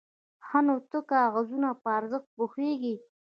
_ښه، نو ته د کاغذونو په ارزښت پوهېږې؟